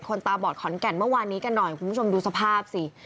ตาบอดขอนแก่นเมื่อวานนี้กันหน่อยคุณผู้ชมดูสภาพสิ